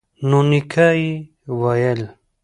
نو نیکه یې وویل